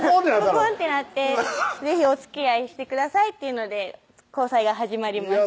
ポコンってなって「是非おつきあいしてください」というので交際が始まりました